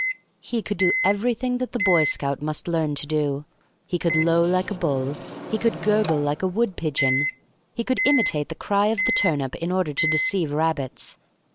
He could do everything that the Boy Scout must learn to do. He could low like a bull. He could gurgle like a wood pigeon. He could imitate the cry of the turnip in order to deceive rabbits.